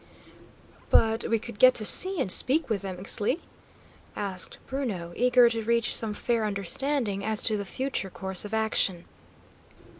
"But we could get to see and speak with them, Ixtli?" asked Bruno, eager to reach some fair understanding as to the future course of action.